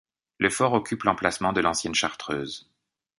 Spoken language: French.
Le fort occupe l'emplacement de l'ancienne chartreuse.